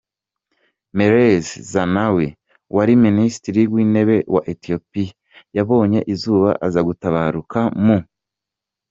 Meles Zenawi, wari minisitiri w’intebe wa Ethiopia yabonye izuba aza gutabarukamu .